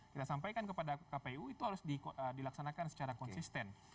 kita sampaikan kepada kpu itu harus dilaksanakan secara konsisten